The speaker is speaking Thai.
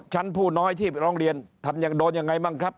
ชั้นผู้น้อยที่ร้องเรียนท่านยังโดนยังไงบ้างครับ